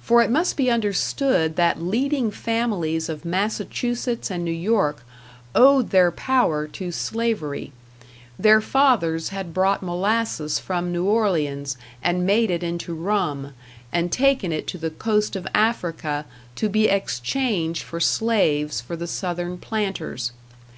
For it must be understood that leading families of Massachusetts and New York owed their power to Slavery; their fathers had brought molasses from New Orleans and made it into rum, and taken it to the coast of Africa to be exchanged for slaves for the Southern planters.